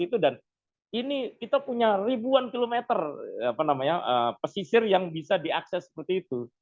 itu dan ini kita punya ribuan kilometer pesisir yang bisa diakses seperti itu